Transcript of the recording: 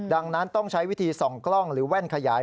ดังนั้นต้องใช้วิธีส่องกล้องหรือแว่นขยาย